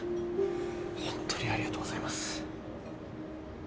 ホントにありがとうございます。